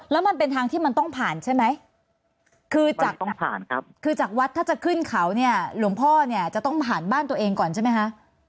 แล้วมันเป็นทางที่มันต้องผ่านใช่ไหมคือจากตรงผ่านครับคือจากวัดถ้าจะขึ้นเขาเนี่ยหลวงพ่อเนี่ยจะต้องผ่านบ้านตัวเองก่อนใช่ไหมคะ